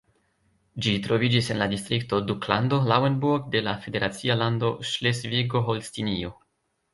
Ĝi troviĝis en la distrikto Duklando Lauenburg de la federacia lando Ŝlesvigo-Holstinio.